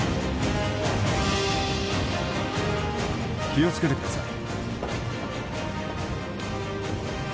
気を付けてください。